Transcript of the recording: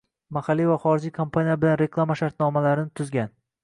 mahalliy va xorijiy kompaniyalar bilan reklama shartnomalarini tuzgan